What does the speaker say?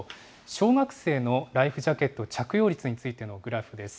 小学生のライフジャケット着用率についてのグラフです。